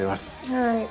はい。